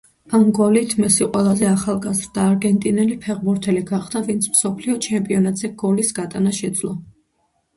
ამ გოლით მესი ყველაზე ახალგაზრდა არგენტინელი ფეხბურთელი გახდა, ვინც მსოფლიო ჩემპიონატზე გოლის გატანა შეძლო.